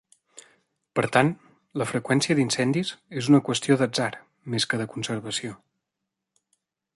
Per tant, la freqüència d'incendis és una qüestió d'atzar més que de conservació.